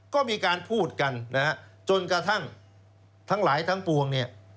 ก็มีการพูดกันจนกระทั่งทั้งหลายทั้งปวง